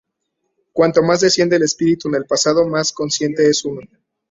Cuanto más desciende el espíritu en el pasado, más consciente es uno.